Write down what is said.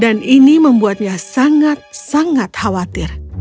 ini membuatnya sangat sangat khawatir